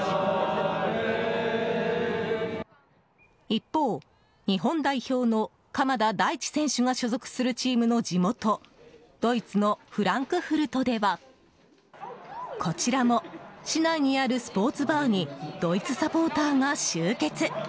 一方、日本代表の鎌田大地選手が所属するチームの地元ドイツのフランクフルトではこちらも市内にあるスポーツバーにドイツサポーターが集結。